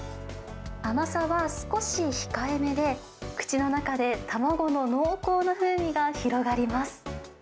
甘さは少し控えめで、口の中で卵の濃厚な風味が広がります。